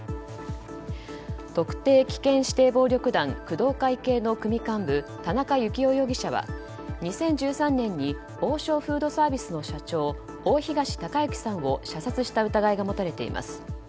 特定危険指定暴力団工藤会系の組幹部田中幸雄容疑者は、２０１３年に王将フードサービスの社長大東隆行さんを射殺した疑いが持たれています。